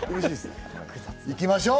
行きましょう。